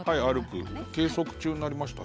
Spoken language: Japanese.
計測中になりましたね。